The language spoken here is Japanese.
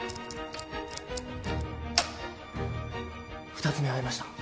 ２つ目合いました。